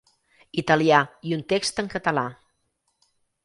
Italià i un text en català.